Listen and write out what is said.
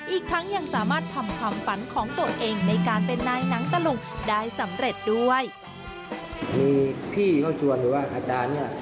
อีกครั้งยังสามารถทำความฝันของตัวเองในการเป็นนายหนังตะลุงได้สำเร็จด้วย